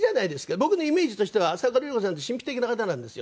僕のイメージとしては浅丘ルリ子さんって神秘的な方なんですよ。